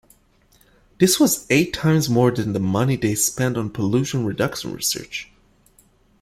This was eight times more than the money they spent on pollution reduction research.